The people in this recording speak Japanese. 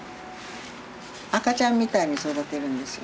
赤ちゃんみたいに育てるんですよ。